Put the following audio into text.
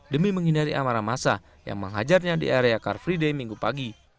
demi menghindari amarah masa yang menghajarnya di area karfriday minggu pagi